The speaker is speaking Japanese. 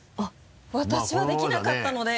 私はできなかったので。